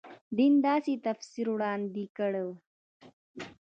دین داسې تفسیر وړاندې کړو.